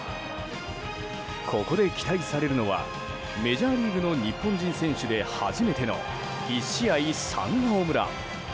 ここで期待されるのはメジャーリーグの日本人選手で初めての１試合３ホームラン。